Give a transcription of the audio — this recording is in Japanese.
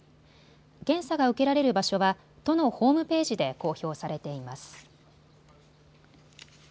検査が受けられる場所は都のホームページで公表されています。